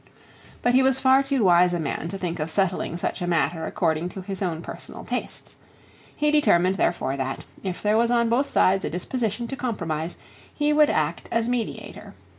But he was far too wise a man to think of settling such a matter according to his own personal tastes. He determined therefore that, if there was on both sides a disposition to compromise, he would act as mediator.